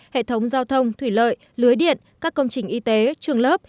hệ thống giao thông thủy lợi lưới điện các công trình y tế trường lớp